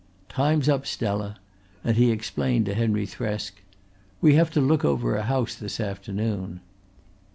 "Time's up, Stella," and he explained to Henry Thresk: "We have to look over a house this afternoon."